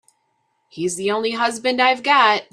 He's the only husband I've got.